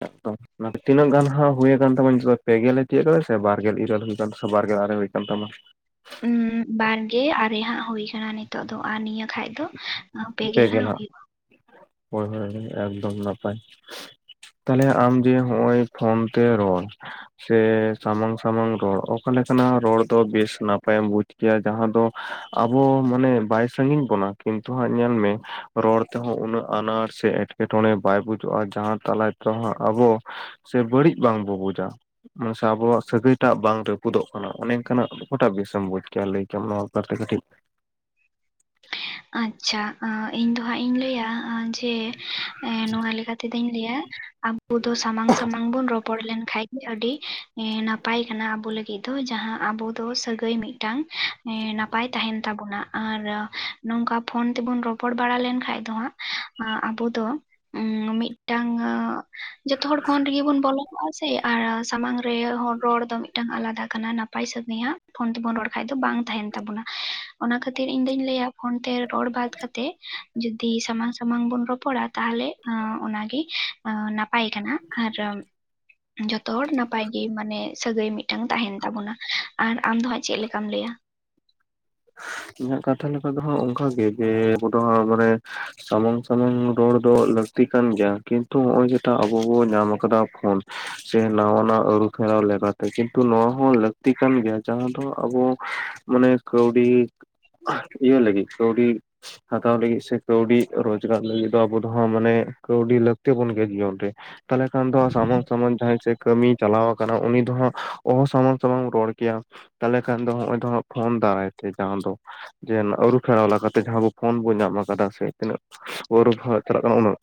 [unintelligible] ᱱᱟᱛᱮ ᱛᱤᱱᱟᱹᱜ ᱜᱟᱱ ᱦᱟᱸᱜ ᱦᱩᱭ ᱟᱠᱟᱱ ᱛᱟᱢᱟ ᱱᱤᱛᱳᱜ ᱫᱚ ᱯᱮ ᱜᱮᱞ ᱛᱤᱭᱳᱟᱹᱜ ᱠᱟᱫᱟ ᱥᱮ ᱵᱟᱨᱜᱮᱞ ᱤᱨᱟᱹᱞ ᱦᱩᱭᱠᱟᱱ ᱥᱮ ᱵᱟᱨᱜᱮᱞ ᱟᱨᱮ ᱦᱳᱭ ᱠᱟᱱ ᱛᱟᱢᱟ? ᱩᱸᱻ ᱵᱟᱨᱜᱮ ᱟᱨᱮ ᱦᱟᱸᱜ ᱦᱩᱭ ᱠᱟᱱᱟ ᱱᱤᱛᱚᱜ ᱫᱚ ᱟᱨ ᱱᱤᱭᱟᱹ ᱠᱷᱟᱡ ᱫᱚ ᱯᱮ ᱯᱮᱜᱮᱞ ᱜᱮᱞ ᱦᱟᱸᱜ, ᱦᱩᱭᱩᱜ ᱦᱳᱭ ᱦᱳᱭ ᱦᱳᱭ ᱮᱠᱫᱚᱢ ᱱᱟᱯᱟᱭ᱾ ᱛᱟᱦᱞᱮ ᱟᱢ ᱡᱮ ᱱᱚᱜ-ᱚᱭ ᱯᱷᱳᱱ ᱛᱮ ᱨᱚᱲ ᱥᱮ ᱥᱟᱢᱟᱝ ᱥᱟᱢᱟᱝ ᱨᱚᱲ ᱚᱠᱟ ᱞᱮᱠᱟᱱᱟ ᱨᱚᱲ ᱫᱚ ᱵᱮᱥ ᱱᱟᱯᱟᱭᱮᱢ ᱵᱩᱡ? ᱜᱮᱭᱟ ᱡᱟᱦᱟᱸ ᱫᱚ ᱟᱵᱚ ᱢᱟᱱᱮ ᱵᱟᱭ ᱥᱟᱺᱜᱤᱧ ᱵᱚᱱᱟ ᱠᱤᱱᱛᱩ ᱦᱟᱸᱜ ᱧᱮᱞ ᱢᱮ ᱨᱚᱲ ᱛᱮᱦᱚᱸ ᱩᱱᱟᱹᱜ ᱟᱱᱟᱴ ᱥᱮ ᱮᱴᱠᱮᱴᱚᱬᱮ ᱵᱟᱭ ᱵᱩᱡᱩᱜᱼᱟ ᱡᱟᱦᱟᱸ ᱛᱟᱞᱟᱭ ᱛᱟᱦᱟᱸᱜ ᱟᱵᱚ ᱥᱮ ᱵᱟᱹᱲᱤᱡ ᱵᱟᱝᱵᱚ ᱵᱩᱡᱟ᱾ ᱢᱟᱥᱮ ᱟᱵᱚᱣᱟᱜ ᱥᱟᱹᱜᱟᱹᱭ ᱴᱟᱜ ᱵᱟᱝ ᱨᱟᱹᱯᱩᱫᱚᱜ ᱠᱟᱱᱟ ᱚᱱᱮ ᱤᱱᱠᱟᱱᱟᱜ ᱚᱠᱟᱴᱟᱜ ᱵᱮᱥᱮᱢ ᱵᱩᱪ ᱠᱮᱭᱟ ᱞᱟᱹᱭ ᱠᱮᱟᱢ ᱱᱚᱣᱟ ᱵᱮᱯᱟᱨᱛᱮ ᱠᱟᱹᱴᱤᱡ ᱟᱪᱪᱷᱟ ᱟᱸ ᱤᱧ ᱫᱚ ᱦᱟᱸᱜ ᱤᱧ ᱞᱟᱹᱭᱟ ᱡᱮ ᱮᱸ ᱱᱚᱣᱟ ᱞᱮᱠᱟᱛ ᱛᱮᱫᱚᱧ ᱞᱮᱭᱟ ᱟᱵᱚ ᱫᱚ ᱥᱟᱢᱟᱝ ᱥᱟᱢᱟᱝ ᱵᱚᱱ ᱨᱚᱯᱚᱲ ᱞᱮᱱᱠᱷᱟᱡ ᱟᱹᱰᱤ ᱮᱸ ᱱᱟᱯᱟᱭ ᱠᱟᱱᱟ ᱟᱵᱚ ᱞᱟᱹᱜᱤᱫ ᱫᱚ ᱡᱟᱸᱦᱟᱸ ᱟᱵᱚ ᱫᱚ ᱥᱟᱹᱜᱟᱹᱭ ᱢᱤᱜᱴᱟᱝ [inaudible] ᱮᱸ ᱱᱟᱯᱟᱭ ᱛᱟᱦᱮᱱ ᱛᱟᱵᱚᱱᱟ ᱟᱨ ᱱᱚᱝᱠᱟ ᱯᱷᱳᱱ ᱛᱮᱵᱚᱱ ᱨᱚᱯᱚᱲ ᱵᱟᱲᱟ ᱞᱮᱱᱠᱷᱟᱡ ᱫᱚ ᱦᱟᱸᱜ ᱟᱸ ᱟᱵᱚ ᱫᱚ ᱩᱸ ᱢᱤᱜᱴᱟᱝ ᱟᱺᱜ ᱡᱚᱛᱚ ᱦᱚᱲ ᱯᱷᱳᱱ ᱨᱤᱜᱤ ᱵᱚᱱ ᱵᱚᱞᱚ ᱠᱚᱜᱼᱟ ᱥᱮ ᱟᱨ ᱥᱟᱢᱟᱝ ᱨᱮ ᱦᱚᱲ ᱨᱚᱲ ᱫᱚ ᱢᱤᱫᱴᱟᱝ ᱟᱞᱟᱫᱟ ᱠᱟᱱᱟ ᱱᱟᱯ ᱱᱟᱯᱟᱭ ᱥᱟᱹᱛ ᱱᱮᱦᱟᱜ ᱯᱷᱳᱱ ᱛᱮᱵᱚᱱ ᱨᱚᱲ ᱠᱷᱟᱡ ᱫᱚ ᱵᱟᱝ ᱛᱟᱦᱮᱱ ᱛᱟᱵᱚᱱᱟ ᱚᱱᱟ ᱠᱷᱟᱹᱛᱤᱨ ᱤᱧ ᱫᱚᱧ ᱞᱟᱹᱭᱟ ᱯᱷᱳᱱ ᱛᱮ ᱨᱚᱲ ᱵᱟᱫ ᱠᱟᱛᱮᱜ ᱡᱩᱫᱤ ᱥᱟᱢᱟᱝ ᱥᱟᱢᱟᱝ ᱵᱚᱱ ᱨᱚᱯᱚᱲᱟ ᱛᱟᱦᱞᱮ ᱮᱸ ᱚᱱᱟᱜᱤ ᱟᱸ ᱱᱟᱯᱟᱭ ᱠᱟᱱᱟ ᱟᱨ ᱡᱚᱛᱚ ᱦᱚᱲ ᱱᱟᱯᱟᱭᱜᱤ ᱢᱟᱱᱮ ᱥᱟᱹᱜᱟᱹᱭ ᱢᱤᱫᱴᱟᱝ ᱛᱟᱦᱮᱱ ᱛᱟᱵᱚᱱᱟ, ᱟᱨ ᱟᱢ ᱫᱚ ᱦᱟᱸᱜ ᱪᱮᱜ ᱞᱮᱠᱟᱢ ᱞᱟᱹᱭᱟ? ᱤᱧᱟᱹᱜ ᱠᱟᱛᱷᱟ ᱞᱮᱠᱟ ᱫᱚ ᱦᱟᱜ ᱚᱝᱠᱟᱜᱮ ᱡᱮ ᱟᱵᱚ ᱫᱚ ᱦᱟᱸᱜ ᱢᱟᱱᱮ ᱥᱟᱢᱟᱝ ᱥᱟᱢᱟᱝ ᱨᱚᱲ ᱫᱚ ᱞᱟᱹᱠᱛᱤ ᱠᱟᱱ ᱜᱮᱭᱟ ᱠᱤᱱᱛᱩ ᱦᱚᱜ-ᱚᱭ ᱡᱮᱴᱟ ᱟᱵᱚ ᱵᱚ ᱧᱟᱢ ᱠᱟᱫᱟ ᱯᱷᱳᱱ ᱥᱮ ᱱᱟᱣᱟ ᱱᱟᱜ ᱟᱹᱨᱩᱯᱷᱮᱨᱟᱣ ᱞᱮᱠᱟᱛᱮ ᱠᱤᱱᱛᱩ ᱱᱚᱣᱟ ᱦᱚᱸ ᱞᱟᱹᱠᱛᱤ ᱠᱟᱱ ᱜᱮᱭᱟ ᱡᱟᱦᱟᱸ ᱫᱚ ᱟᱵᱚ ᱢᱟᱱᱮ ᱠᱟᱹᱣᱰᱤ [unintelligible] ᱤᱭᱟᱹ ᱞᱟᱹᱜᱤᱫ ᱠᱟᱹᱣᱰᱤ ᱦᱟᱛᱟᱣ ᱞᱟᱹᱜᱤᱜ ᱥᱮ ᱠᱟᱹᱣᱰᱤ ᱨᱚᱡᱽᱜᱟᱨ ᱞᱟᱹᱜᱤᱫ ᱫᱚ ᱟᱵᱚ ᱫᱚ ᱦᱟᱸᱜ ᱢᱟᱱᱮ ᱠᱟᱹᱣᱰᱤ ᱞᱟᱹᱠᱛᱤ ᱵᱚᱱ ᱜᱮᱭᱟ ᱡᱤᱭᱚᱱ ᱨᱮ᱾ ᱛᱟᱦᱞᱮ ᱠᱷᱟᱱ ᱫᱚ ᱥᱟᱢᱟᱝ ᱥᱟᱢᱟᱱ ᱡᱟᱦᱟᱸᱭ ᱥᱮ ᱠᱟᱹᱢᱤᱭ ᱪᱟᱞᱟᱣ ᱟᱠᱟᱱᱟ ᱩᱱᱤ ᱫᱚ ᱦᱟᱸᱜ ᱚᱦᱚ ᱥᱟᱢᱟᱝ ᱥᱟᱢᱟᱝ ᱨᱚᱲ ᱠᱮᱭᱟ᱾ ᱛᱟᱞᱦᱮ ᱠᱷᱟᱱ ᱫᱚ ᱦᱚᱜᱼᱚᱭ ᱫᱚ ᱦᱟᱸᱜ ᱯᱷᱳᱱ ᱫᱟᱨᱟᱭ ᱛᱮ ᱡᱟᱦᱟᱸ ᱫᱚ ᱡᱮᱱ ᱟᱹᱨᱩ ᱯᱷᱮᱨᱟᱣ ᱞᱟᱠᱟᱛᱮ ᱡᱟᱸᱦᱟᱸ ᱵᱚ ᱯᱷᱳᱱ ᱵᱚ ᱧᱟᱢ ᱟᱠᱟᱫᱟ ᱥᱮ ᱛᱤᱱᱟᱹᱜ ᱚᱨᱳᱯᱦᱟ ᱪᱟᱞᱟᱜ ᱠᱟᱱᱟ ᱦᱟᱸᱜ ᱩᱱᱟᱹᱜ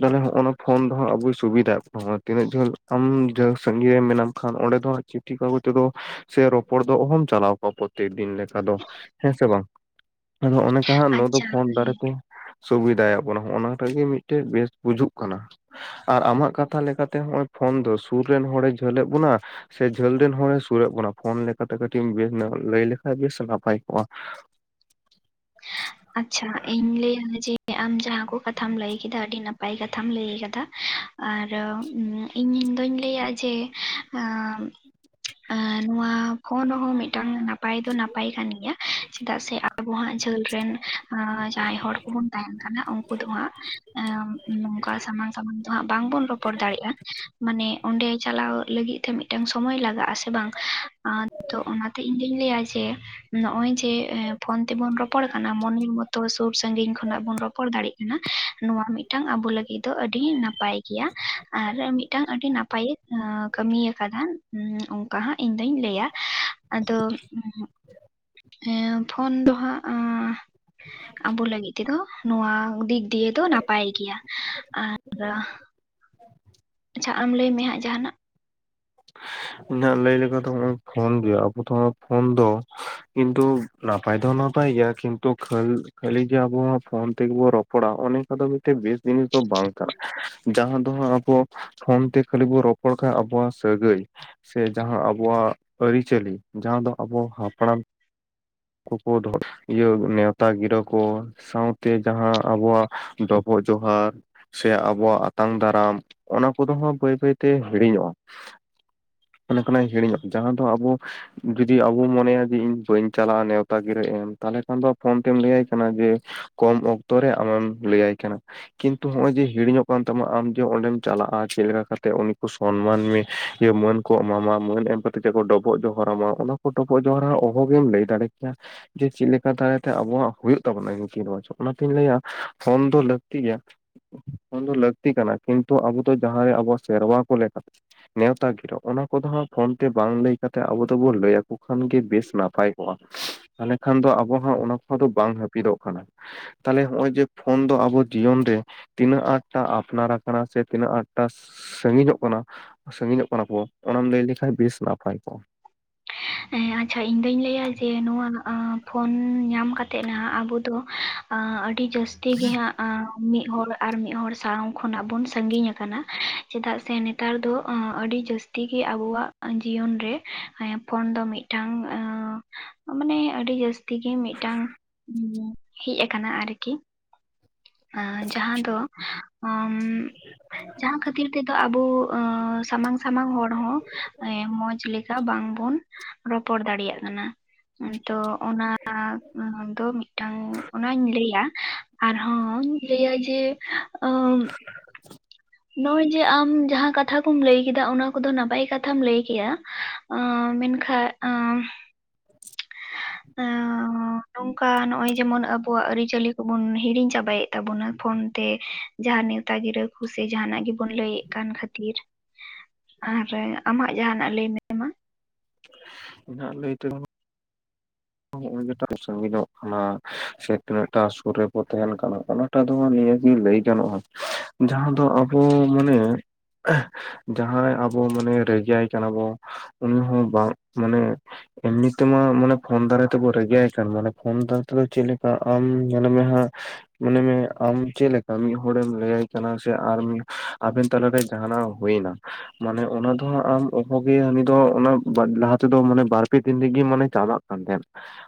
ᱛᱟᱦᱞᱮ ᱦᱚᱜᱚᱱᱟ ᱯᱷᱳᱱ ᱫᱚ ᱦᱟᱸᱜ ᱟᱵᱚᱭ ᱥᱩᱵᱤᱫᱟᱭᱮᱜ ᱵᱚᱱᱟ ᱛᱤᱱᱟᱹᱜ ᱡᱷᱟᱹᱞ ᱟᱢ ᱡᱟᱹ ᱥᱟᱺᱜᱤ ᱨᱮ ᱢᱮᱱᱟᱢ ᱠᱷᱟᱱ ᱚᱸᱰᱮ ᱫᱚ ᱟᱜ ᱪᱤᱴᱷᱤ ᱠᱟᱜᱚ ᱛᱮᱫᱚ ᱥᱮ ᱨᱚᱯᱚᱲ ᱫᱚ ᱚᱦᱚᱢ ᱪᱟᱞᱟᱣ ᱠᱚᱣᱟ ᱯᱚᱛᱛᱮᱠ ᱫᱤᱱ ᱞᱮᱠ ᱟᱫᱚ ᱦᱮᱸ ᱥᱮ ᱵᱟᱝ ᱟᱫᱚ ᱚᱱᱮᱠᱟᱦᱟᱜ ᱱᱚᱣᱟ ᱫᱚ ᱟᱪᱪᱷᱟ ᱯᱷᱳᱱ ᱫᱟᱨᱮ ᱛᱮ ᱥᱩᱵᱤᱫᱟᱭᱟᱜ ᱵᱚᱱᱟ ᱦᱚᱜᱚᱱᱟ ᱴᱟᱜ ᱜᱮ ᱢᱤᱜᱴᱟᱹᱜ ᱵᱮᱥ ᱵᱩᱡᱩᱜ ᱠᱟᱱᱟ᱾ ᱟᱨ ᱟᱢᱟᱜ ᱠᱟᱛᱷᱟ ᱞᱮᱠᱟᱛᱮ ᱦᱚᱜᱼᱚᱭ ᱯᱷᱳᱱ ᱫᱚ ᱥᱩᱨ ᱨᱮᱱ ᱦᱚᱲᱮ ᱡᱷᱟᱹᱞ ᱮᱫ ᱵᱚᱱᱟ ᱥᱮ ᱡᱷᱟᱹᱞ ᱰᱮᱱ ᱦᱚᱲᱮ ᱥᱩᱨ ᱮᱫ ᱵᱚᱱᱟ ᱯᱷᱳᱱ ᱞᱮᱠᱟᱛᱮ ᱠᱟᱹᱴᱤᱜ ᱵᱮᱹᱥ ᱱᱚᱜ ᱞᱟᱹᱭ ᱞᱮᱠᱟᱱ ᱜᱮ ᱵᱮᱥ ᱱᱟᱯᱟᱭ ᱠᱚᱜᱼᱟ᱾ ᱟᱪᱪᱷᱟ ᱤᱧ ᱞᱮᱭᱟ ᱡᱮᱹ ᱟᱢ ᱡᱟᱦᱟᱸ ᱠᱚ ᱠᱟᱛᱷᱟᱢ ᱞᱟᱹᱭ ᱠᱮᱫᱟ ᱟᱹᱰᱤ ᱱᱟᱯ ᱯᱟᱭ ᱠᱟᱛᱷᱟᱢ ᱞᱟᱹᱭ ᱠᱟᱫᱟ ᱟᱨ ᱤᱧᱤᱧ ᱫᱚᱧ ᱞᱟᱹᱭᱟ ᱡᱮ ᱟᱸ ᱟᱸ ᱱᱚᱣᱟ ᱯᱷᱳᱱ ᱨᱚᱦᱚᱸ ᱢᱤᱜᱴᱟᱝ ᱱᱟᱯ ᱯᱟᱭ ᱫᱚ ᱱᱟᱯᱟᱭ ᱠᱟᱱ ᱜᱮᱭᱟ ᱪᱮᱫᱟᱜ ᱥᱮ ᱟᱵᱚ ᱦᱟᱸᱜ ᱡᱷᱟᱹᱞ ᱨᱮᱱ ᱟᱸ ᱡᱟᱦᱟᱸᱭ ᱦᱚᱲ ᱠᱚᱵᱩᱱ ᱛᱟᱦᱮᱱ ᱠᱟᱱᱟ ᱩᱝᱠᱩ ᱫᱚ ᱦᱟᱸᱜ ᱮᱸ ᱱᱚᱝᱠᱟ ᱥᱟᱢᱟᱝ [unintelligible] ᱦᱟᱸᱜ ᱵᱟᱝᱵᱚᱱ ᱨᱚᱯᱚᱲ ᱫᱟᱲᱮᱜᱼᱟ ᱢᱟᱱᱮ ᱚᱸᱰᱮ ᱪᱟᱞᱟᱣ ᱞᱟᱹᱜᱤᱜ ᱛᱮ ᱢᱤᱜ ᱴᱟᱝ ᱥᱚᱢᱚᱭ ᱞᱟᱜᱟᱜ-ᱟ ᱥᱮ ᱵᱟᱝ, ᱟᱸ ᱛᱚ ᱚᱱᱟᱛᱮ ᱤᱧ ᱫᱚᱧ ᱞᱟᱹᱭᱟ ᱡᱮ ᱡᱮ ᱱᱚᱜᱼᱚᱭ ᱡᱮ ᱮᱸ ᱯᱷᱳᱱ ᱛᱮᱵᱚᱱ ᱨᱚᱯᱚᱲ ᱠᱟ ᱱᱟ ᱢᱚᱱᱮᱨ ᱢᱚᱛᱚ ᱥᱩᱨ ᱥᱟᱺᱜᱤᱧ ᱠᱷᱚᱱᱟᱜ ᱵᱚᱱ ᱨᱚᱯᱚᱲ ᱫᱟᱲᱮᱜ ᱠᱟᱱᱟ ᱱᱚᱣᱟ ᱢᱤᱫᱴᱟᱝ ᱟᱵᱚ ᱞᱟᱹᱜᱤᱫ ᱫᱚ ᱟᱹᱰᱤ ᱱᱟᱯᱟᱭ ᱜᱮᱭᱟ ᱟᱨ ᱢᱤᱫᱴᱟᱝ ᱟᱹᱰᱤ ᱱᱟᱯᱟᱭᱮ ᱟᱹ ᱠᱟᱹᱢᱤ ᱟᱠᱟᱫᱟ ᱩᱸ ᱚᱝ ᱠᱟ ᱦᱟᱸᱜ ᱤᱧ ᱫᱩᱧ ᱞᱟᱹᱭᱟ ᱟᱫᱚ ᱩᱸ ᱮᱸ ᱯᱷᱳᱱ ᱫᱚ ᱦᱟᱸᱜ ᱟᱸ ᱟᱵᱚ ᱞᱟᱹᱜᱤᱫ ᱛᱮᱫᱚ ᱱᱚᱣᱟ ᱫᱤᱠ ᱫᱤᱭᱮ ᱫᱚ ᱱᱟᱯᱟᱭ ᱜᱮᱭᱟ ᱟᱨ [inaudible] ᱟᱪᱪᱷᱟ ᱟᱢ ᱞᱟᱹᱭ ᱢᱮ ᱦᱟᱜᱸ ᱡᱟᱦᱟᱱᱟᱜ ᱤᱧᱦᱟᱜ ᱞᱟᱹᱭ ᱞᱮᱠᱟ ᱫᱚ ᱦᱚᱜᱚᱭ ᱯᱷᱳᱱ ᱜᱮ ᱟᱵᱚ ᱫᱚ ᱯᱷᱳᱱ ᱫᱚ ᱠᱤᱱᱛᱩ ᱱᱟᱯᱟᱭ ᱫᱚ ᱱᱟᱯᱟᱭ ᱜᱮᱭᱟ ᱠᱤᱱᱛᱩ ᱠᱷᱟᱹ ᱠᱷᱟᱹᱞᱤ ᱜᱮ ᱟᱵᱚᱣᱟᱜ ᱯᱷᱳᱱ ᱛᱮᱜᱮᱵᱚ ᱨᱚᱯᱚᱲᱟ ᱚᱱᱮ ᱟᱫᱚ ᱢᱤᱫᱴᱮᱡ ᱵᱮᱥ ᱡᱤᱱᱤᱥ ᱫᱚ ᱵᱟᱝ ᱠᱟᱱᱟ ᱡᱟᱦᱟᱸ ᱫᱚ ᱦᱟᱜ ᱟᱵᱚ ᱯᱷᱳᱱ ᱛᱮ ᱠᱷᱟᱹᱞᱤ ᱵᱚ ᱨᱚᱯᱚᱲ ᱠᱷᱟ ᱟᱵᱚᱣᱟᱜ ᱥᱟᱹᱜᱟᱹᱭ ᱥᱮ ᱡᱟᱦᱟᱸ ᱟᱵᱚᱣᱟᱜ ᱟᱹᱨᱤᱪᱟᱹᱞᱤ ᱡᱟᱦᱟᱸ ᱫᱚ ᱟᱵᱚ ᱦᱟᱯᱲᱟᱢ ᱠᱩᱠᱩ ᱫᱚ ᱤᱭᱟᱹ ᱱᱮᱣᱛᱟ ᱜᱤᱨᱟᱹ ᱠᱚ ᱥᱟᱶᱛᱮ ᱡᱟᱦᱟᱸ ᱟᱵᱚᱣᱟᱜ ᱰᱚᱵᱚᱜ ᱡᱚᱦᱟᱨ ᱥᱮ ᱟᱵᱚᱣᱟᱜ ᱟᱛᱟᱝ ᱫᱟᱨᱟᱢ ᱚᱱᱟ ᱠᱚᱫᱚ ᱦᱚᱸ ᱵᱟᱹᱭ ᱵᱟᱹᱭ ᱛᱮ ᱦᱤᱲᱤᱧᱚᱜ-ᱟ ᱾ ᱚᱱ ᱠᱟᱱᱟ ᱦᱤᱲᱤᱧᱚᱜ ᱡᱟᱦᱟᱸ ᱫᱚ ᱟᱵᱚ ᱡᱩᱫᱤ ᱟᱵᱚ ᱢᱚᱱᱮᱭᱟ ᱡᱮ ᱤᱧ ᱵᱟᱹᱧ ᱪᱟᱞᱟᱜ-ᱟ ᱱᱮᱣᱛᱟ ᱜᱤᱨᱟᱹ ᱮᱢ ᱛᱟᱦᱞᱮ ᱠᱷᱟᱱ ᱫᱚ ᱯᱷᱳᱱ ᱛᱮᱢ ᱞᱟᱹᱭᱟᱭ ᱠᱟᱱᱟ ᱡᱮ ᱠᱚᱢ ᱚᱠᱛᱚ ᱨᱮ ᱟᱢᱮᱢ ᱞᱟᱹᱭᱟᱭ ᱠᱟᱱᱟ᱾ ᱠᱤᱱᱛᱩ ᱱᱚᱜ ᱚᱭ ᱡᱮ ᱦᱤᱲᱤᱧᱚᱜ ᱠᱟᱱ ᱛᱟᱢᱟ ᱟᱢ ᱡᱮ ᱚᱸᱰᱮᱢ ᱪᱟᱞᱟᱜ-ᱟ ᱪᱮᱫ ᱞᱮᱠᱟ ᱠᱟᱛᱮᱜ ᱩᱱᱤᱠᱩ ᱥᱚᱱᱢᱟᱱ ᱢᱮᱭᱟ ᱾ ᱡᱤᱭᱟᱹ ᱢᱟᱹᱱ ᱠᱚ ᱮᱢᱟᱢᱟ ᱢᱟᱹᱱ ᱮᱢ ᱠᱟᱛᱮᱠᱚ ᱰᱚᱵᱚᱜ ᱡᱚᱦᱟᱨᱟᱢᱟ ᱚᱱᱟ ᱠᱚ ᱰᱚᱵᱚᱜ ᱡᱚᱦᱟᱨᱟ ᱚᱦᱚᱜ ᱜᱮᱢ ᱞᱟᱹᱭ ᱫᱟᱲᱮ ᱠᱮᱭᱟ᱾ ᱡᱮ ᱪᱮᱫ ᱞᱮᱠᱟ ᱫᱟᱨᱟᱭᱛᱮ ᱟᱵᱚᱣᱟᱜ ᱦᱩᱭᱩᱜ ᱛᱟᱵᱚᱱᱟ ᱱᱤᱛᱤ ᱨᱚᱣᱟᱡᱽ ᱚᱱᱟᱛᱤᱧ ᱞᱟᱹᱭᱟ ᱯᱷᱳᱱ ᱫᱚ ᱞᱟᱹᱠᱛᱤ ᱜᱮᱭᱟ ᱾ ᱫᱚ ᱞᱟᱹᱠᱛᱤ ᱠᱟᱱᱟ ᱠᱤᱱᱛᱩ ᱟᱵᱚ ᱫᱚ ᱡᱟᱦᱟᱸᱨᱮ ᱟᱵᱚᱣᱟᱜ ᱥᱮᱨᱣᱟ ᱠᱚ ᱞᱮᱠᱟ ᱱᱮᱣᱛᱟ ᱜᱤᱨᱚ. ᱚᱱᱟ ᱠᱚᱫᱚ ᱦᱟᱸᱜ ᱯᱷᱳᱱ ᱛᱮ ᱵᱟᱝ ᱞᱟᱹᱭ ᱠᱟᱛᱮ ᱟᱵᱚ ᱫᱚᱵᱚ ᱞᱟᱹᱭ ᱟᱠᱚ ᱠᱷᱟᱱ ᱜᱮ ᱵᱮᱥ ᱱᱟᱯᱟᱭ ᱠᱚᱜ-ᱟ ᱾ [inaudible] ᱛᱟᱦᱚᱞᱮ ᱠᱷᱟᱱ ᱫᱚ ᱟᱵᱚ ᱦᱚᱸ ᱚᱱᱟ ᱠᱚ ᱫᱚ ᱵᱟᱝ ᱦᱟᱹᱯᱤᱫᱚᱜ ᱠᱟᱱᱟ᱾ ᱛᱟᱦᱞᱮ ᱱᱚᱜᱼᱚᱭ ᱡᱮ ᱯᱷᱳᱱ ᱫᱚ ᱟᱵᱚ ᱡᱤᱭᱚᱱ ᱨᱮ ᱛᱤᱱᱟᱹᱜ ᱟᱴᱴᱟ ᱟᱯᱱᱟᱨ ᱟᱠᱟᱱᱟ ᱥᱮ ᱛᱤᱱᱟᱹᱜ ᱟᱴᱴᱟ ᱥᱟᱺᱜᱤᱧᱚᱜ ᱠᱟᱱᱟ ᱥᱟᱺᱜᱤᱧᱚᱜ ᱠᱟᱱᱟ ᱠᱚ ᱚᱱᱟᱢ ᱞᱟᱹᱭ ᱞᱮᱠᱷᱟᱱ ᱵᱮᱥ ᱱᱟᱯᱟᱭ ᱠᱚᱜ-ᱟ᱾ ᱮᱸ ᱟᱪᱪᱷᱟ ᱤᱧ ᱫᱩᱧ ᱞᱟᱹᱭᱟ ᱡᱮ ᱱᱚᱣᱟ ᱯᱷᱳᱱ ᱧᱟᱢ ᱠᱟᱛᱮᱜ ᱱᱟᱜ ᱟᱵᱚ ᱫᱚ ᱟᱹᱰᱤ ᱡᱟᱹᱥᱛᱤ ᱜᱮ ᱦᱟᱸᱜ ᱢᱤᱫ ᱦᱚᱲ ᱟᱨ ᱢᱤᱫ ᱦᱚᱲ ᱥᱟᱶ ᱠᱷᱚᱱᱟᱜ ᱵᱚᱱ ᱥᱟᱺᱜᱤᱧ ᱟᱠᱟᱱᱟ, ᱪᱮᱫᱟᱜ ᱥᱮ ᱱᱮᱛᱟᱨ ᱫᱚ ᱟᱹᱰᱤ ᱡᱟᱹᱥ ᱛᱤᱜᱤ ᱟᱵᱚᱣᱟᱜ ᱡᱤᱭᱚᱱ ᱨᱮ ᱯᱷᱳᱱ ᱫᱚ ᱢᱤᱫᱴᱟᱝ ᱢᱟᱱᱮ ᱟᱹᱰᱤ ᱡᱟᱹᱥᱛᱤ ᱜᱮ ᱢᱤᱫᱴᱟᱝ ᱦᱮᱡ ᱟᱠᱟᱱᱟ ᱟᱨᱠᱤ ᱡᱟᱦᱟᱸ ᱫᱚ ᱩᱸ ᱡᱟᱦᱟᱸ ᱠᱷᱟᱹᱛᱤᱨ ᱛᱮᱫᱚ ᱟᱵᱚ ᱥᱟᱢᱟᱝ ᱥᱟᱢᱟᱝ ᱦᱚᱲ ᱦᱚᱸ ᱮ ᱢᱚᱸᱡᱽ ᱞᱮ ᱠᱟ ᱵᱟᱝ ᱵᱚᱱ ᱨᱚᱯᱚᱲ ᱫᱟᱲᱮᱭᱟᱜ ᱠᱟᱱᱟ ᱛᱚ ᱚᱱᱟ ᱫᱚ ᱢᱤᱫᱴᱟᱝ ᱚᱱᱟᱧ ᱞᱟᱹᱭᱟ ᱟᱨ ᱤᱧ ᱞᱟᱹᱭ-ᱟ ᱡᱮ ᱱᱚᱜᱚᱭ ᱡᱮ ᱟᱢ ᱡᱟᱦᱟᱸ ᱠᱟᱛᱷᱟ ᱠᱚᱢ ᱞᱟᱹᱭ ᱠᱮᱫᱟ ᱚᱱᱟ ᱠᱚᱫᱚ ᱱᱟᱯᱟᱭ ᱠᱟᱛᱷᱟᱢ ᱞᱟᱹᱭ ᱠᱮᱜᱟ ᱢᱮᱱ ᱠᱷᱟᱡ ᱱᱚᱝᱠᱟ ᱱᱚᱜᱚᱭ ᱡᱮᱢᱚᱱ ᱟᱵᱩ ᱟᱵᱚᱣᱟᱜ ᱟᱹᱨᱤᱪᱟᱹᱞᱤ ᱠᱚᱵᱩᱱ ᱦᱤᱲᱤᱧ ᱪᱟᱵᱟᱭᱮᱫ ᱛᱟᱵᱚᱱᱟ ᱯᱷᱳᱱ ᱛᱮ ᱡᱟᱦᱟᱸ ᱱᱮᱣᱛᱟ ᱜᱤᱨᱟᱹ ᱥᱮ ᱡᱟᱦᱟᱱᱟᱜ ᱜᱮᱵᱚᱱ ᱞᱟᱹᱭᱮᱫ ᱠᱟᱱ ᱠᱷᱟᱹᱛᱤᱨ ᱟᱨ ᱟᱢᱟᱜ ᱡᱟᱦᱟᱱᱟᱜ ᱞᱟᱹᱭ ᱢᱮ ᱢᱟ ᱤᱧᱟᱜ ᱞᱟ. ᱭ ᱛᱮᱫᱚ [unintelligible] ᱥᱟᱜᱤᱧ ᱧᱚᱜ ᱠᱟᱱᱟ ᱥᱮ ᱛᱤᱱᱟᱹᱜ ᱴᱟᱜ ᱥᱩᱨ ᱨᱮᱵᱚ ᱛᱟᱦᱮᱱ ᱠᱟᱱᱟ ᱚᱱᱟ ᱮᱴᱟᱜ ᱫᱚ ᱵᱟᱝ ᱱᱤᱭᱟᱹᱜᱮ ᱞᱟᱹᱭ ᱜᱟᱱᱚᱜ-ᱟ ᱡᱟᱦᱟᱸ ᱫᱚ ᱟᱵᱚ ᱢᱟᱱᱮ ᱡᱟᱦᱟᱸᱭ ᱟᱵᱚ ᱢᱟᱱᱮ ᱨᱟᱜᱤᱭᱟᱭ ᱠᱟᱱᱟ ᱵᱚ ᱩᱱᱤ ᱦᱚᱸ ᱵᱟᱝ ᱢᱟᱱᱮ ᱮᱢᱱᱤ ᱛᱮᱢᱟ ᱢᱟᱱᱮ ᱯᱷᱳᱱ ᱫᱟᱨᱟᱭ ᱛᱮᱵᱚ ᱨᱮᱜᱮᱟᱭ ᱠᱟᱱ ᱢᱟᱱᱮ ᱯᱷᱳᱱ ᱫᱟᱨᱟᱭ ᱛᱮᱫᱚ ᱪᱮᱫ ᱞᱮᱠᱟ ᱟᱢ ᱧᱮᱞ ᱢᱮ ᱦᱟᱸᱜ ᱢᱚᱱᱮ ᱢᱮ ᱟᱢ ᱪᱮᱫᱞᱮᱠᱟ ᱢᱤᱫ ᱦᱚᱲᱮᱢ ᱞᱟᱹᱭᱟᱭ ᱠᱟᱱᱟ ᱥᱮ ᱟᱨ ᱟᱵᱮᱱ ᱛᱟᱞᱟ ᱨᱮ ᱡᱟᱦᱱᱟᱜ ᱦᱩᱭᱱᱟ ᱢᱟᱱᱮ ᱚᱱᱟ ᱫᱚ ᱦᱟᱸᱜ ᱟᱢ ᱚᱵᱷᱟᱵᱤᱭᱟᱹ ᱟᱢ ᱫᱚ ᱚᱱᱟ ᱞᱟᱦᱟ ᱛᱮᱫᱚ ᱢᱟᱱᱮ ᱵᱟᱨ-ᱯᱮ ᱫᱤᱱ ᱨᱮᱜᱮ ᱢᱟᱱᱮ ᱪᱟᱵᱟᱜ ᱠᱟᱱ ᱛᱟᱸᱦᱮᱫ,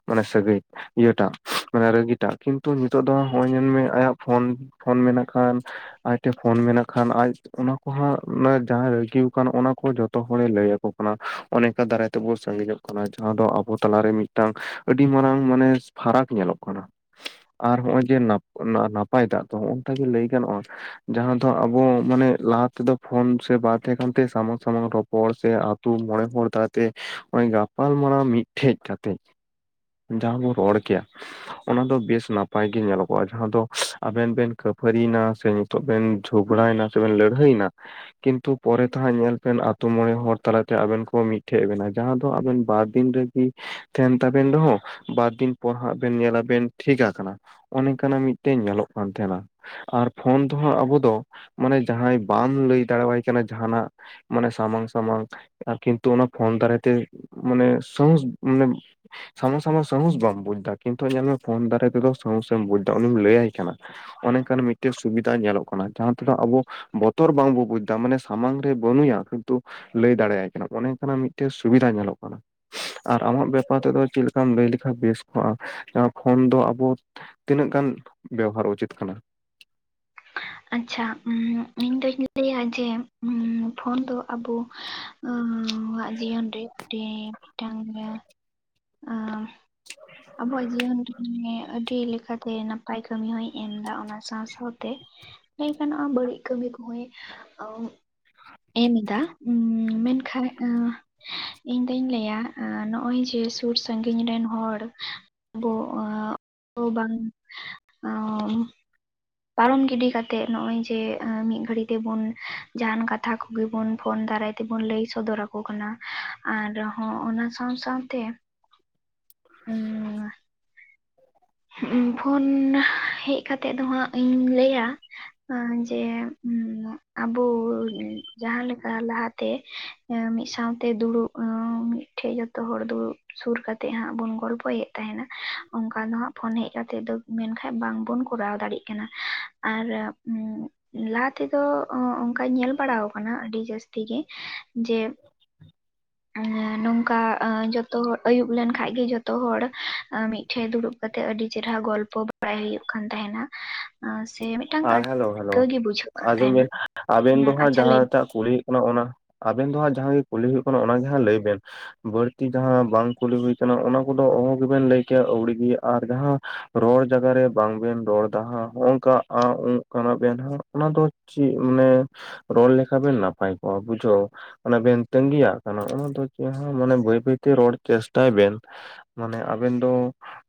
ᱢᱟᱱᱮ ᱥᱟᱹᱜᱟᱹᱭ᱾ ᱤᱭᱟᱹᱴᱟᱜ ᱢᱟᱱᱮ ᱨᱟᱹᱜᱤᱴᱟᱜ, ᱠᱤᱱᱛᱩ ᱱᱤᱛᱚᱜ ᱫᱚ ᱦᱚᱸᱜ-ᱚᱭ ᱧᱮᱞᱢᱮ ᱟᱭᱟᱜ ᱯᱷᱳᱱ᱾ ᱯᱷᱳᱱ ᱢᱮᱱᱟᱜ ᱠᱷᱟᱱ ᱟᱡ ᱴᱷᱮᱱ ᱯᱷᱳᱱ ᱢᱮᱱᱟᱜ ᱠᱷᱟᱱ ᱟᱡ ᱚᱱᱟ ᱠᱚᱦᱚᱸ ᱢᱟᱱᱮ ᱡᱟᱦᱟᱸᱟᱭ ᱨᱟᱹᱜᱤ ᱟᱠᱟᱱ, ᱚᱱᱟ ᱠᱚ ᱡᱚᱛᱚ ᱦᱚᱲᱮ, ᱞᱟᱹᱭᱟᱠᱚ ᱚᱱᱟ, ᱚᱱᱮ ᱠᱚ ᱫᱟᱨᱟᱭ ᱛᱮᱵᱚ ᱥᱟᱺᱜᱤᱧᱚᱜ ᱠᱟᱱᱟ᱾ ᱡᱟᱦᱟᱸ ᱫᱚ ᱟᱵᱚ ᱛᱟᱞᱟᱨᱮ ᱢᱤᱫᱴᱟᱝ ᱟᱹᱰᱤ ᱢᱟᱨᱟᱝ ᱢᱟᱱᱮ ᱯᱷᱟᱨᱟᱠ ᱧᱮᱞᱚᱜ ᱠᱟᱱᱟ᱾ ᱟᱨ ᱦᱚᱸᱜ-ᱚᱭ ᱡᱮ ᱱᱟᱯ, [unintelligible] ᱱᱟᱯ ᱱᱟᱯᱟᱭ ᱫᱟᱜ ᱫᱚ ᱦᱚᱸᱜ-ᱚᱝᱠᱟ ᱜᱮ ᱞᱟᱹᱭ ᱜᱟᱱᱚᱜ-ᱟ, ᱡᱟᱦᱟᱸ ᱫᱚ ᱟᱵᱚ ᱢᱟᱱᱮ, ᱞᱟᱦᱟ ᱛᱮᱫᱚ ᱯᱷᱳᱱ ᱥᱮ ᱵᱟ ᱛᱟᱦᱮᱸ ᱠᱟᱱᱛᱮ ᱥᱟᱢᱟᱝ ᱥᱟᱢᱟᱝ ᱨᱚᱯᱚᱲ, ᱥᱮ ᱟᱛᱳ ᱢᱚᱬᱮ ᱦᱚᱲ ᱛᱟᱞᱟᱛᱮ ᱦᱚᱸᱜ-ᱚᱭ ᱜᱟᱯ ᱜᱟᱯᱟᱞ ᱢᱟᱨᱟᱣ ᱢᱤᱫᱴᱷᱮᱡ ᱠᱟᱛᱮᱫ ᱡᱟᱦᱟᱸ ᱵᱚ ᱨᱚᱲ ᱠᱮᱭᱟ, ᱚᱱᱟ ᱫᱚ ᱵᱮᱥ ᱱᱟᱯᱟᱭ ᱜᱮ ᱧᱮᱞᱚᱜᱚᱜ-ᱟ, ᱡᱟᱦᱟᱸ ᱫᱚ ᱟᱵᱮᱱ ᱵᱮᱱ ᱠᱷᱯᱟᱹᱨᱤᱭᱱᱟ ᱥᱮ, ᱛᱚᱵᱮᱱ ᱡᱷᱚᱜᱽᱲᱟᱭᱱᱟ ᱥᱮ ᱵᱮᱱ ᱞᱟᱹᱲᱦᱟᱹᱭᱱᱟ᱾ ᱠᱤᱱᱛᱩ ᱯᱚᱨᱮ ᱛᱮᱦᱟᱸᱜ ᱧᱮᱞ ᱯᱮᱱ ᱟᱛᱳ ᱢᱚᱬᱮ ᱦᱚᱲ ᱛᱟᱞᱟᱛᱮ ᱟᱵᱮᱱ ᱠᱚ ᱢᱤᱫᱴᱷᱮᱡ ᱵᱮᱱᱟ᱾ ᱡᱟᱦᱟᱸ ᱫᱚ ᱟᱵᱮᱱ ᱵᱟᱨ ᱫᱤᱱ ᱨᱮ ᱨᱟᱜᱤ ᱛᱟᱸᱦᱮᱱ ᱛᱟᱵᱮᱱ ᱨᱮᱦᱚᱸ ᱵᱟᱨ ᱫᱤᱱ ᱯᱚᱨ ᱦᱟᱸᱜ ᱵᱮᱱ ᱧᱮᱞᱟ ᱵᱮᱱ ᱴᱷᱤᱠ ᱟᱠᱟᱱᱟ᱾ ᱚᱱᱠᱟᱱᱟᱜ ᱢᱤᱫᱴᱮᱡ ᱧᱮᱞᱚᱜ ᱠᱟᱱ ᱛᱟᱸᱦᱮᱱᱟ, ᱟᱨ ᱯᱷᱳᱱ ᱛᱮᱦᱚᱸ ᱟᱵᱚ ᱫᱚ ᱢᱟᱱᱮ ᱡᱟᱦᱟᱸᱭ ᱵᱟᱢ ᱞᱟᱹᱭ ᱫᱟᱲᱮᱣᱟᱭ ᱮᱠᱪᱩᱭᱮᱞᱤ ᱡᱟᱸᱦᱱᱟᱜ ᱢᱟᱱᱮ ᱥᱟᱢᱟᱝ ᱥᱟᱢᱟᱝ ᱟᱨ ᱠᱤᱱᱛᱩ ᱚᱱᱟ ᱯᱷᱳᱱ ᱫᱟᱨᱟᱭ ᱛᱮ ᱢᱟᱱᱮ ᱥᱟᱸᱦᱚᱥ ᱢᱟᱱᱮ ᱥᱟᱢᱟᱝ ᱥᱟᱢᱟᱝ ᱥᱟᱦᱚᱸᱥ ᱵᱟᱢ ᱵᱩᱡᱽᱫᱟ, ᱠᱤᱱᱛᱩ ᱧᱮᱞᱢᱮ ᱯᱷᱳᱱ ᱫᱟᱨᱟᱭ ᱛᱮᱫᱚ ᱥᱟᱦᱚᱸᱥᱮᱢ ᱵᱩᱡᱽᱫᱟ ᱩᱱᱤᱢ ᱞᱟᱹᱭᱟ ᱠᱟᱱᱟ᱾ ᱚᱱᱮ ᱚᱝᱠᱟᱱ ᱢᱤᱫᱴᱮᱡ ᱥᱩᱵᱤᱫᱷᱟ ᱧᱮᱞᱚᱜ ᱠᱟᱱᱟ, ᱡᱟᱦᱟᱸ ᱛᱤᱱᱟᱹᱜ ᱟᱵᱚ ᱵᱚᱛᱚᱨ ᱵᱟᱝᱵᱚ ᱵᱩᱡᱽᱫᱟ, ᱢᱟᱱᱮ ᱥᱟᱢᱟᱝ ᱨᱮ ᱵᱟᱹᱱᱩᱭᱟ ᱠᱤᱱᱛᱩ ᱞᱟᱹᱭ ᱫᱟᱲᱮᱭᱟᱭ ᱠᱟᱱᱟᱢ, ᱚᱱᱮ ᱚᱝᱠᱟᱱᱟᱜ ᱢᱤᱫᱴᱮᱡ ᱥᱩᱵᱤᱫᱷᱟ ᱧᱮᱞᱚᱜ ᱠᱟᱱᱟ᱾ ᱟᱨ ᱟᱢᱟᱜ ᱵᱮᱯᱟᱨ ᱛᱮᱫᱚ ᱪᱮᱫ ᱞᱮᱠᱟᱢ ᱞᱟᱹᱭ ᱞᱮᱠᱷᱟᱡ ᱵᱮᱥ ᱠᱚᱜ-ᱟ, ᱞᱟᱦᱟ ᱯᱷᱳᱱ ᱫᱚ ᱟᱵᱚ ᱛᱤᱱᱟᱹᱜ ᱜᱟᱱ ᱵᱮᱣᱦᱟᱨ ᱩᱪᱤᱛ ᱠᱟᱱᱟ? ᱟᱪᱪᱷᱟ ᱩᱸ ᱤᱧ ᱫᱩᱧ ᱞᱟᱹᱭᱟ ᱡᱮ ᱯᱷᱳᱱ ᱫᱚ ᱟᱵᱚ ᱩᱸᱻ ᱟᱵᱚᱣᱟᱜ ᱡᱤᱭᱚᱱ ᱨᱮ ᱱᱚᱸᱰᱮ ᱢᱤᱫᱴᱟᱝ ᱤᱭᱟᱹ ᱟᱸᱻ ᱟᱵᱚᱣᱟᱜ ᱡᱤᱭᱚᱱ ᱨᱮᱧ ᱞᱟᱹᱭᱟ ᱟᱹᱰᱤ ᱞᱮᱠᱟᱛᱮ ᱱᱟᱯᱟᱭ ᱠᱟᱹᱢᱤ ᱦᱚᱸᱭ ᱮᱢᱫᱟ᱾ ᱚᱱᱟ ᱥᱟᱶ ᱥᱟᱶᱛᱮ ᱞᱟᱹᱭ ᱜᱟᱱᱚᱜ-ᱟ ᱵᱟᱹᱲᱤᱡ ᱠᱟᱹᱢᱤ ᱠᱚᱦᱚᱸ ᱟᱸᱻ ᱮᱢᱫᱟ ᱩᱸ ᱢᱮᱱᱠᱷᱟᱱ ᱩᱸᱻ ᱤᱧ ᱫᱩᱧ ᱞᱟᱹᱭᱟ ᱱᱚᱜ-ᱚᱭ ᱡᱮ, ᱥᱩᱨ ᱥᱟᱺᱜᱤᱧ ᱨᱮᱱ ᱦᱚᱲ ᱟᱵᱚ ᱟᱻ ᱵᱟᱝ ᱚᱻ ᱯᱟᱨᱚᱢ ᱜᱤᱰᱤ ᱠᱟᱛᱮᱜ ᱱᱚᱜ-ᱚᱭ ᱡᱮ ᱢᱤᱫ ᱜᱷᱟᱹᱲᱤ ᱛᱮᱵᱩᱱ ᱡᱟᱸᱦᱟᱱ ᱠᱟᱛᱷᱟ ᱠᱚᱜᱮ ᱵᱚᱱ ᱯᱷᱳᱱ ᱫᱟᱨᱟᱭ ᱛᱮ, ᱛᱮᱵᱚᱱ ᱞᱟᱹᱭ ᱥᱚᱫᱚᱨ ᱟᱠᱚ ᱠᱟᱱᱟ ᱟᱨᱦᱚᱸ ᱚᱱᱟ ᱥᱟᱶ ᱥᱟᱶᱛᱮ ᱩᱸᱻ ᱩᱸ, ᱯᱷᱳᱱ ᱦᱮᱡ ᱠᱟᱛᱮᱜ ᱫᱚ ᱦᱟᱸᱜ ᱤᱧ ᱞᱟᱹᱭᱟ᱾ ᱮᱸ, ᱡᱮ ᱟᱵᱚ ᱡᱟᱦᱟᱸ ᱞᱮᱠᱟ ᱞᱟᱦᱟᱛᱮ ᱮᱸ, ᱢᱤᱫ ᱥᱟᱶᱛᱮ ᱫᱩᱲᱩᱵ, ᱮᱸ ᱢᱤᱫᱴᱷᱮᱡ ᱡᱚᱛᱚ ᱦᱚᱲ ᱫᱩᱲᱩᱵ ᱥᱩᱨ ᱠᱟᱛᱮᱜ ᱦᱟᱸᱜ ᱵᱚᱱ ᱜᱚᱞᱯᱚᱭᱮᱫ ᱛᱟᱸᱦᱮᱱᱟ ᱚᱱᱠᱟ ᱫᱚ ᱦᱟᱸᱜ ᱯᱷᱳᱱ ᱦᱮᱡ ᱠᱟᱛᱮᱜ ᱫᱚ ᱢᱮᱱᱠᱷᱟᱱ ᱵᱟᱝᱵᱚᱱ ᱠᱚᱨᱟᱣ ᱫᱟᱲᱮᱭᱟᱜ ᱠᱟᱱᱟ, ᱟᱨ ᱩᱸᱜ ᱩᱸ, ᱞᱟᱦᱟ ᱛᱮᱫᱚ ᱚᱱᱠᱟᱧ ᱧᱮᱞ ᱵᱟᱲᱟᱣ ᱠᱟᱱᱟ ᱟᱹᱰᱤ ᱡᱟᱹᱥᱛᱤ ᱜᱮ ᱡᱮ, [inaudible] ᱟᱸᱻ ᱱᱚᱝᱠᱟ ᱡᱚᱛᱚ ᱦᱚᱲ, ᱟᱭᱩᱵ ᱞᱮᱱᱠᱷᱟᱡ ᱜᱮ ᱡᱚᱛᱚ ᱦᱚᱲ ᱢᱤᱫᱴᱷᱮᱡ ᱫᱩᱲᱩᱵ ᱠᱟᱛᱮᱜ ᱟᱹᱰᱤ ᱪᱮᱨᱦᱟ ᱜᱚᱞᱯᱚ ᱵᱟᱲᱟᱭ ᱦᱩᱭᱩᱜ ᱠᱟᱱ ᱛᱟᱸᱦᱮᱱᱟ᱾ ᱮ ᱦᱮᱞᱳ ᱦᱮᱞᱳ ᱠᱟᱱ ᱟᱡᱚᱢ ᱛᱟᱦᱮᱱᱟ ᱵᱤᱱ ᱟᱵᱮᱱ ᱫᱚ ᱦᱮᱸ ᱦᱟᱸᱜ ᱟᱪᱪᱷᱟ ᱞᱟᱹᱭ ᱡᱟᱦᱟᱸᱭ ᱴᱟᱜᱼᱼ ᱠᱩᱞᱤ ᱦᱩᱭᱩᱜ ᱠᱟᱱᱟ ᱚᱱᱟ ᱚᱱᱟ ᱟᱵᱮᱱ ᱫᱚ ᱦᱟᱸᱜ ᱡᱟᱦᱟᱸ ᱠᱩᱞᱤ ᱦᱩᱭᱩᱜ ᱠᱟᱱᱟ ᱚᱱᱟᱜᱮ ᱦᱟᱸᱜ ᱞᱟᱹᱭ ᱵᱮᱱᱼᱼ ᱵᱟᱹᱲᱛᱤ ᱡᱟᱦᱟᱸ ᱵᱟᱝ ᱠᱩᱞᱤ ᱦᱩᱭ ᱠᱟᱱᱟ ᱚᱱᱟ ᱠᱚᱫᱚ ᱚᱦᱚ ᱜᱮᱵᱮᱱ ᱞᱟᱹᱭ ᱠᱮᱭᱟ ᱟᱹᱣᱲᱤᱜᱤ ᱟᱨ ᱡᱟᱦᱟᱸᱼᱼ ᱨᱚᱲ ᱡᱟᱜᱟ ᱨᱮ ᱵᱟᱝᱵᱮᱱ ᱨᱚᱲ ᱫᱟ ᱦᱟᱸᱜ ᱦᱚᱝᱠᱟᱼᱼ ᱟᱸ ᱩ ᱠᱟᱱᱟ ᱵᱮᱱ ᱦᱚᱸ ᱚᱱᱟ ᱫᱚ ᱪᱮᱫ ᱢᱟᱱᱮᱼᱼ ᱨᱚᱲ ᱞᱮᱠᱷᱟ ᱵᱮ ᱱᱟᱯᱟᱭ ᱠᱚᱜᱼᱟ ᱵᱩᱡᱷᱟᱣ᱾ ᱚᱱᱟ ᱵᱮᱱ ᱛᱟᱜᱤᱭᱟ ᱠᱟᱱᱟ ᱚᱱᱟ ᱫᱚ ᱡᱟᱦᱟᱸ ᱢᱟᱱᱮ ᱵᱟᱹᱭ ᱵᱟᱹᱭᱛᱮ ᱨᱚᱲ ᱪᱮᱥᱴᱟᱭ ᱵᱮᱱ᱾ ᱢᱟᱱᱮ ᱟᱵᱮᱱ ᱫᱚᱼᱼ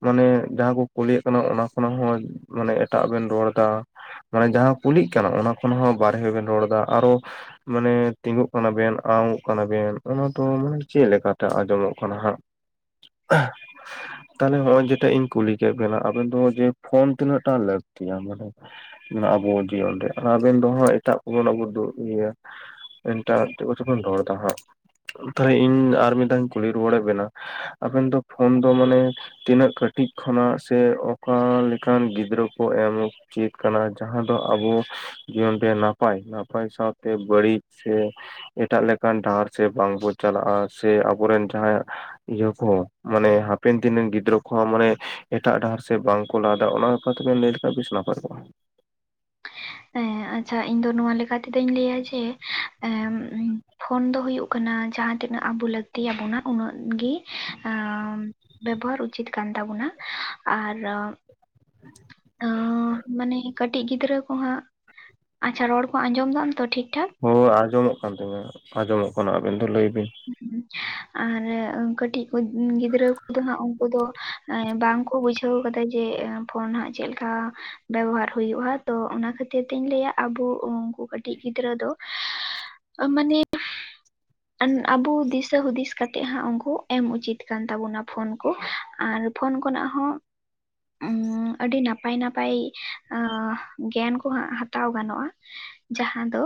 ᱢᱟᱱᱮ ᱡᱟᱦᱟᱸ ᱠᱚ ᱠᱩᱞᱤᱭᱟᱜ ᱠᱟᱱᱟ ᱚᱱᱟ ᱠᱷᱚᱱᱟᱜ ᱦᱚᱸ ᱢᱟᱱᱮ ᱮᱴᱟᱜ ᱵᱮᱱ ᱨᱚᱲᱼᱼ ᱢᱟᱱᱮ ᱡᱟᱦᱟᱸ ᱠᱩᱞᱤᱜ ᱠᱟᱱᱟ ᱚᱱᱟ ᱠᱷᱚᱱ ᱦᱚᱸ ᱵᱟᱨᱦᱮ ᱵᱮᱱ ᱨᱚᱲ ᱫᱟ ᱟᱨᱦᱚᱼᱼ ᱢᱟᱱᱮ ᱛᱤᱸᱜᱩᱜ ᱠᱟᱱᱟ ᱵᱮᱱ ᱟ ᱩ ᱠᱟᱱᱟ ᱵᱮᱱ ᱚᱱᱟ ᱫᱚ ᱢᱟᱱᱮ ᱪᱮᱫ ᱞᱮᱠᱟᱛᱮ ᱟᱸᱡᱚᱢᱚᱜ ᱠᱟᱱᱟ ᱦᱟᱸᱜᱼᱼ [unintelligible] ᱛᱟᱦᱚᱞᱮ ᱦᱚᱸᱜᱼᱚᱭ ᱡᱮᱴᱟ ᱤᱧ ᱠᱩᱞᱤ ᱠᱮᱫ ᱵᱮᱱᱟ ᱟᱵᱮᱱ ᱫᱚ ᱡᱮ ᱯᱷᱳᱱ ᱛᱤᱱᱟᱹᱜᱴᱟ ᱞᱟᱹᱠᱛᱤᱭᱟ ᱢᱟᱱᱮ? ᱟᱵᱚ ᱡᱤᱭᱚᱱ ᱨᱮᱭᱟᱜ ᱟᱹᱵᱮᱱ ᱫᱚᱦᱟᱸᱜ ᱮᱴᱟᱜ ᱵᱚᱞᱚᱱᱚ ᱜᱷᱩᱴᱩ ᱤᱭᱟᱹᱼᱼ ᱮᱱᱴᱟ ᱪᱮᱫᱚ ᱠᱚᱪᱚᱵᱮᱱ ᱨᱚᱲ ᱫᱟ ᱦᱟᱸᱜ? ᱛᱟᱦᱚᱞᱮ ᱤᱧ ᱟᱨ ᱢᱤᱫᱫᱷᱟᱣᱤᱧ ᱠᱩᱞᱤ ᱨᱩᱣᱟᱹᱲ ᱮᱫ ᱵᱮᱱᱟ ᱟᱵᱮᱱ ᱫᱚ ᱯᱷᱳᱱ ᱫᱚ ᱢᱟᱱᱮᱼᱼ ᱛᱤᱱᱟᱹᱜ ᱠᱟᱹᱴᱤᱡ ᱠᱷᱚᱱᱟᱜ ᱥᱮ ᱚᱠᱟᱞᱮᱠᱟᱱ ᱜᱤᱫᱽᱨᱟᱹ ᱠᱚ ᱮᱢᱼᱼ ᱪᱮᱫ ᱠᱟᱱᱟ ᱡᱟᱦᱟᱸ ᱫᱚ ᱟᱵᱚᱼᱼ ᱡᱤᱭᱚᱱ ᱨᱮ ᱱᱟᱯᱟᱭ ᱱᱟᱯᱟᱭ ᱥᱟᱶᱛᱮ ᱵᱟᱹᱲᱤᱡ ᱥᱮᱼᱼ ᱮᱴᱟᱜ ᱞᱮᱠᱟᱱ ᱰᱟᱦᱟᱨ ᱥᱮ ᱵᱟᱝ ᱵᱚ ᱪᱟᱞᱟᱜᱼᱟ ᱥᱮ ᱟᱵᱚᱨᱮᱱ ᱡᱟᱦᱟᱸᱭᱟᱜᱼᱼ ᱤᱭᱟᱹ ᱠᱚ ᱢᱟᱱᱮ ᱦᱟᱯᱮᱱ ᱫᱤᱱ ᱨᱮᱱ ᱜᱤᱫᱽᱨᱟᱹ ᱠᱚᱦᱚᱸ ᱢᱟᱱᱮ ᱮᱴᱟᱜ ᱰᱟᱦᱟᱨ ᱥᱮᱫ ᱵᱟᱝᱠᱚ ᱞᱟᱦᱟᱫᱟ ᱚᱱᱟᱼᱼ ᱚᱛ ᱵᱮᱱ ᱞᱟᱹᱭ ᱞᱮᱠᱷᱟ ᱵᱮᱥ ᱱᱟᱢᱯᱟᱨ ᱠᱚᱜᱼᱟ᱾ ᱮᱸᱜ ᱟᱪᱪᱷᱟ ᱤᱧ ᱫᱚ ᱱᱚᱣᱟ ᱞᱮᱠᱟ ᱛᱮᱫᱚᱧ ᱞᱟᱹᱭᱟ ᱡᱮ ᱮᱸᱜᱼᱼᱼ ᱯᱷᱳᱱ ᱫᱚ ᱦᱩᱭᱩᱜ ᱠᱟᱱᱟ ᱡᱟᱸᱦᱟᱛᱤᱱᱟᱹᱜ ᱟᱵᱚ ᱞᱟᱹᱠᱛᱤᱭᱟ ᱵᱚᱱᱟ ᱩᱱᱟᱹᱜ ᱜᱤ ᱮᱸᱜᱼᱼ ᱵᱮᱵᱚᱦᱟᱨ ᱩᱪᱤᱛ ᱠᱟᱱ ᱛᱟᱵᱚᱱᱟ ᱟᱨᱼᱼ ᱟᱸ ᱢᱟᱱᱮ ᱠᱟᱹᱴᱤᱡ ᱜᱤᱫᱽᱨᱟᱹᱼᱼ ᱠᱚ ᱦᱟᱸᱜ ᱟᱪᱪᱷᱟ ᱨᱚᱲ ᱠᱚ ᱟᱸᱡᱚᱢ ᱫᱟᱢ ᱛᱚ ᱴᱷᱤᱠᱼᱼ ᱦᱳᱭ ᱟᱸᱡᱚᱢᱚᱜ ᱠᱟᱱ ᱛᱤᱧᱟᱹ ᱟᱸᱡᱚᱢᱚᱜ ᱠᱟᱱᱟ ᱟᱵᱤᱱ ᱫᱚ ᱞᱟᱹᱭ ᱵᱤᱱ? ᱟᱨ ᱠᱟᱹᱴᱤᱡᱼᱼ [inaudible] ᱜᱤᱫᱽᱨᱟᱹ ᱠᱚᱫᱚ ᱦᱟᱸᱜ ᱩᱱᱠᱩ ᱫᱚ ᱵᱟᱝᱠᱚ ᱵᱩᱡᱼᱼ ᱵᱩᱡᱷᱟᱹᱣ ᱠᱟᱫᱟ ᱡᱮ ᱯᱷᱳᱱ ᱦᱟᱸᱜ ᱪᱮᱫ ᱞᱮᱠᱟ ᱵᱮᱵᱚᱦᱟᱨ ᱦᱩᱭᱩᱜᱼᱟ ᱛᱚ ᱚᱱᱟ ᱠᱷᱟᱹᱛᱼᱼ ᱠᱷᱚᱛᱤᱨ ᱛᱤᱧ ᱞᱟᱹᱭᱟ ᱟᱵᱚ ᱩᱱᱠᱩ ᱠᱟᱹᱴᱤᱡ ᱜᱤᱫᱽᱨᱟᱹ ᱫᱚ ᱢᱟᱱᱮᱼᱼ ᱟᱱ ᱟᱵᱚ ᱫᱤᱥᱟᱹ ᱦᱩᱫᱤᱥ ᱠᱟᱛᱮᱫ ᱦᱟᱸᱜ ᱩᱱᱠᱩ ᱮᱢ ᱩᱪᱤᱛ ᱠᱟᱱ ᱛᱟᱵᱚᱱᱟ ᱯᱷᱳᱱ ᱠᱚ ᱟᱨᱼᱼ ᱯᱷᱳᱱ ᱠᱷᱚᱱᱟᱜ ᱦᱚᱸ ᱩᱸᱻᱩᱸ ᱟᱹᱰᱤ ᱱᱟᱯᱟᱭ ᱱᱟᱯᱟᱭ ᱟᱸ ᱜᱮᱭᱟᱱ ᱠᱚ ᱦᱟᱛᱟᱣ ᱜᱟᱱᱚᱜᱼᱟ᱾ ᱡᱟᱦᱟᱸ ᱫᱚ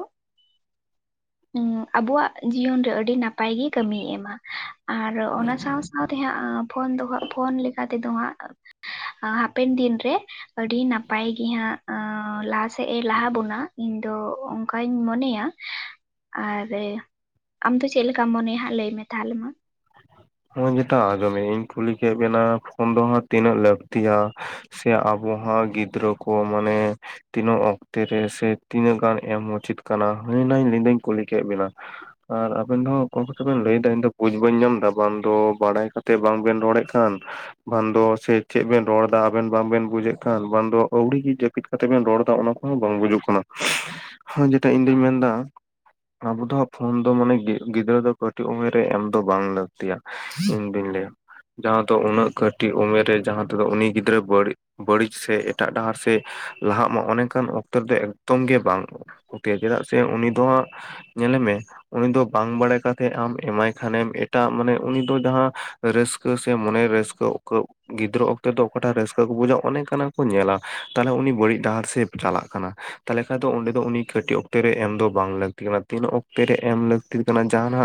ᱩᱸ ᱟᱵᱚᱣᱟᱜᱼᱼ ᱡᱤᱭᱚᱱ ᱨᱮ ᱟᱹᱰᱤ ᱱᱟᱯᱟᱭ ᱜᱮ ᱠᱟᱹᱢᱤ ᱮᱢᱟ ᱟᱨ ᱚᱱᱟ ᱥᱟᱶ ᱥᱟᱶ ᱱᱚᱶᱟ ᱛᱮ ᱦᱟᱸᱜ ᱮᱸ ᱯᱷᱳᱱ ᱫᱚ ᱦᱟᱸᱜ ᱯᱷᱳᱱ ᱞᱮᱠᱟ ᱛᱮᱫᱚ ᱦᱟᱸᱜᱼᱼ ᱦᱟᱯᱮᱱ ᱫᱤᱱᱨᱮ ᱟᱹᱰᱤ ᱱᱟᱯᱟᱭᱜᱮᱦᱟᱸᱜ ᱞᱟᱦᱟᱥᱮᱫ ᱮ ᱞᱟᱦᱟ ᱵᱚᱱᱟ᱾ ᱤᱧ ᱫᱚ ᱚᱱᱠᱟᱧ ᱢᱚᱱᱮᱭᱟ ᱟᱨᱼᱼ ᱟᱢ ᱫᱚ ᱪᱮᱫ ᱞᱮᱠᱟ ᱢᱚᱱᱮᱭᱟ ᱦᱟᱸᱜ ᱞᱟᱹᱭ ᱢᱮ ᱛᱟᱦᱚᱞᱮ ᱢᱟ? ᱱᱚᱜᱼᱚᱭ ᱡᱮᱴᱟᱜ ᱟᱸᱡᱚᱢᱮ ᱤᱧ ᱠᱩᱞᱤ ᱠᱮᱫ ᱵᱮᱱᱟ ᱯᱷᱳᱱ ᱫᱚ ᱦᱟᱸᱜ ᱛᱤᱱᱟᱹᱜ ᱞᱟᱹᱠᱛᱤᱭᱟ᱾ ᱥᱮ ᱟᱵᱚ ᱦᱚᱸ ᱜᱤᱫᱽᱨᱟᱹ ᱠᱚ ᱢᱟᱱᱮᱼᱼ ᱛᱤᱱᱟᱹᱜ ᱚᱠᱛᱮᱨᱮ ᱥᱮ ᱛᱤᱱᱟᱹᱜ ᱜᱟᱱ ᱮᱢ ᱢᱩᱪᱤᱛ ᱠᱟᱱᱟ ᱦᱳᱭ ᱚᱱᱟᱧ ᱠᱩᱞᱤ ᱠᱮᱫ ᱵᱤᱱᱟ᱾ ᱟᱨ ᱟᱵᱮᱱ ᱫᱚ ᱚᱠᱟ ᱠᱚᱪᱚ ᱵᱮᱱ ᱞᱟᱹᱭ ᱫᱟ ᱤᱧ ᱫᱚ ᱵᱟᱹᱧᱼᱼ ᱵᱟᱹᱧ ᱡᱚᱢ ᱫᱟ ᱵᱟᱝ ᱫᱚ ᱵᱟᱲᱟᱭ ᱠᱟᱛᱮᱜ ᱵᱟᱝ ᱵᱮᱱ ᱨᱚᱲᱮᱜ ᱠᱟᱱ᱾ ᱵᱟᱝ ᱫᱚ ᱥᱮ ᱪᱮᱜ ᱵᱮᱱ ᱨᱚᱲ ᱫᱟ ᱟᱵᱮᱱ ᱵᱟᱝᱵᱮᱱ ᱵᱩᱡᱮᱜ ᱠᱟᱱ ᱵᱟᱝ ᱫᱚ ᱟᱹᱣᱲᱤ ᱜᱤ ᱡᱟᱹᱯᱤᱫ᱾ ᱠᱟᱛᱮ ᱵᱮᱱ ᱨᱚᱲᱫᱟ ᱚᱱᱟ ᱠᱚᱦᱚᱸ ᱵᱟᱝ ᱵᱩᱡᱩᱜ ᱠᱟᱱᱟ ᱡᱮᱴᱟ ᱤᱧ ᱫᱩᱧ ᱢᱮᱱᱫᱟ᱾ ᱟᱵᱚ ᱫᱚ ᱯᱷᱳᱱ ᱫᱚ ᱢᱟᱱᱮ ᱜᱤ ᱜᱤᱫᱽᱨᱟᱹ ᱫᱚ ᱠᱟᱹᱴᱤᱡ ᱩᱢᱮᱨ ᱨᱮ ᱮᱢ᱾ ᱫᱚ ᱵᱟᱝ ᱞᱟᱹᱠᱛᱤᱭᱟ ᱤᱧ ᱫᱚᱧ ᱞᱟᱹᱭᱟ᱾ ᱡᱟᱸᱦᱟ ᱫᱚ ᱩᱱᱟᱹᱜ ᱠᱟᱹᱴᱤᱡ ᱩᱢᱮᱨ ᱨᱮ ᱡᱟᱸᱦᱟ ᱛᱮᱫᱚ ᱩᱱᱤ ᱜᱤᱫᱽᱨᱟᱹ ᱵᱟᱹᱲᱤᱜ᱾ ᱵᱟᱹᱲᱤᱡ ᱥᱮ ᱮᱴᱟᱜ ᱰᱟᱦᱟᱨ ᱥᱮᱜ ᱞᱟᱦᱟᱜ ᱢᱟ ᱚᱱᱮᱠᱟᱱ ᱚᱠᱛᱚ ᱨᱮ ᱫᱚ ᱮᱠᱫᱚᱢ ᱜᱮ ᱵᱟᱝ᱾ ᱠᱷᱛᱤᱭᱟ ᱪᱮᱫᱟᱜ ᱥᱮ ᱩᱱᱤ ᱫᱚ ᱦᱟᱸᱜ ᱧᱮᱞᱮᱢᱮ ᱩᱱᱤ ᱫᱚ ᱵᱟᱝ ᱵᱟᱲᱟᱭ ᱠᱟᱛᱮ ᱟᱢ ᱮᱢᱟᱭ᱾ ᱠᱷᱟᱱᱮᱢ ᱮᱴᱟᱜ ᱢᱟᱱᱮ ᱩᱱᱤ ᱫᱚ ᱡᱟᱸᱦᱟ ᱨᱟᱹᱥᱠᱟᱹ ᱥᱮ ᱢᱚᱱᱮ ᱨᱟᱹᱥᱠᱟᱹ ᱚᱠ ᱜᱤᱫᱽᱨᱟᱹ ᱚᱠᱛᱮ ᱫᱚ ᱚᱠᱟᱴᱟᱜ ᱨᱟᱹᱥᱠᱟᱹ ᱠᱚ ᱵᱩᱡᱟ ᱚᱱᱮ ᱚᱝᱠᱟᱱᱟ ᱠᱚ ᱧᱮᱞᱟ ᱛᱟᱦᱞᱮ ᱩᱱᱤ ᱵᱟᱹᱲᱤᱡ ᱰᱟᱦᱟᱨ ᱥᱮᱜ-ᱮ ᱪᱟᱞᱟᱜ ᱠᱟᱱᱟ᱾ ᱛᱟᱦᱞᱮ ᱠᱷᱟᱡ ᱫᱚ ᱚᱸᱰᱮ ᱫᱚ ᱩᱱᱤ ᱠᱟᱹᱴᱤᱡ ᱚᱠᱛᱮ ᱨᱮ ᱮᱢ ᱫᱚ ᱵᱟᱝ ᱞᱟᱹᱠᱛᱤ ᱠᱟᱱᱟ ᱛᱤᱱ ᱚᱠᱛᱮ ᱨᱮ ᱮᱢ ᱞᱟᱹᱠᱛᱤ ᱠᱟᱱᱟ ᱡᱟᱸᱦᱟᱱᱟᱜ᱾